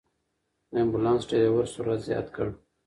د امبولانس ډرېور سرعت زیات کړ.